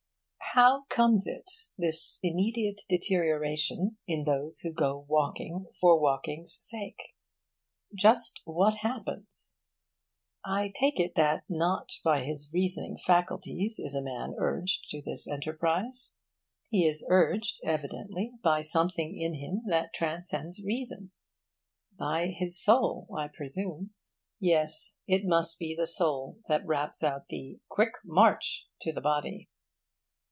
How comes it, this immediate deterioration in those who go walking for walking's sake? Just what happens? I take it that not by his reasoning faculties is a man urged to this enterprise. He is urged, evidently, by something in him that transcends reason; by his soul, I presume. Yes, it must be the soul that raps out the 'Quick march!' to the body.